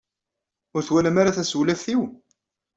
Ur twalam ara tasewlaft-inu?